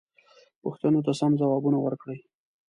پوښتنو ته سم ځوابونه ورکړئ.